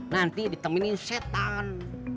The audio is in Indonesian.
nanti ditemani setan